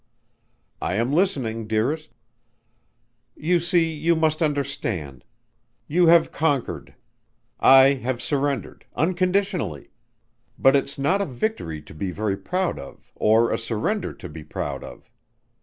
"I am listening, dearest." "You see you must understand. You have conquered. I have surrendered unconditionally. But it's not a victory to be very proud of or a surrender to be proud of.